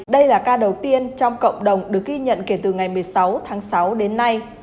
đây là ca đầu tiên trong cộng đồng được ghi nhận kể từ ngày một mươi sáu tháng sáu đến nay